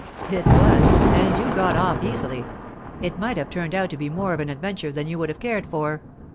'It was. And you got off easily. It might have turned out to be more of an adventure than you would have cared for.